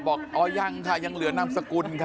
บอกอ๋อยังค่ะยังเหลือนามสกุลค่ะ